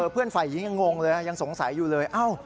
เพื่อนฝ่ายหญิงยังงงเลยยังสงสัยอยู่เลย